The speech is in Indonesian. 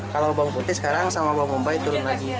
kalau bawang putih sekarang sama bawang bombay turun lagi